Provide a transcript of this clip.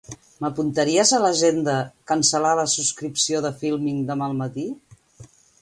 M'apuntaries a l'agenda "cancel·lar la subscripció de Filmin" demà al matí?